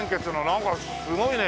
なんかすごいね。